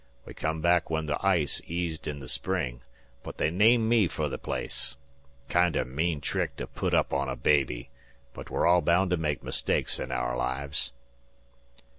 We come back when the ice eased in the spring, but they named me fer the place. Kinder mean trick to put up on a baby, but we're all baound to make mistakes in aour lives."